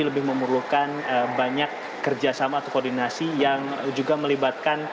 lebih memerlukan banyak kerjasama atau koordinasi yang juga melibatkan